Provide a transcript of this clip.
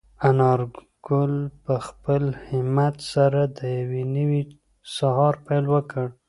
انارګل په خپل همت سره د یو نوي سهار پیل وکړ.